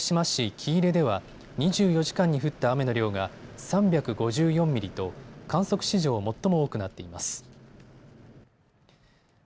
喜入では２４時間に降った雨の量が３５４ミリと観測史上最も多くなっています。